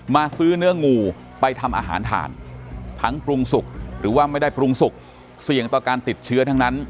ซื้อเนื้องูไปทำอาหารทานทั้งปรุงสุกหรือว่าไม่ได้ปรุงสุกเสี่ยงต่อการติดเชื้อทั้งนั้น